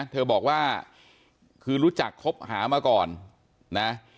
เธอบอกว่าคือรู้จักคบหามาก่อนนะ